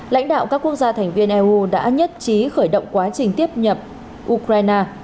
lãnh đạo các quốc gia thành viên eu đã nhất trí khởi động quá trình tiếp nhập ukraine